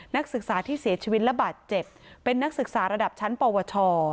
นักศึกษาที่เสียชีวิตและบาดเจ็บเป็นนักศึกษาระดับชั้นปวช